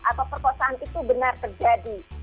atau perkosaan itu benar terjadi